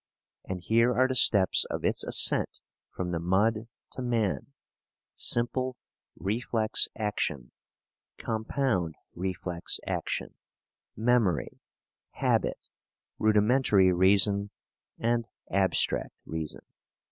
And here are the steps of its ascent from the mud to man: simple reflex action, compound reflex action, memory, habit, rudimentary reason, and abstract reason.